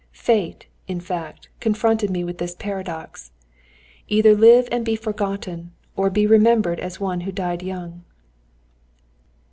Fate, in fact, confronted me with this paradox "Either live and be forgotten, or be remembered as one who died young!"